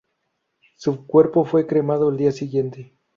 Su cuerpo fue cremado el día siguiente.